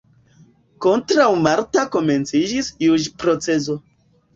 Kontraŭ Marta komenciĝis juĝproceso.